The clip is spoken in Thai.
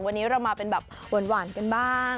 วันนี้เรามาเป็นแบบหวานกันบ้าง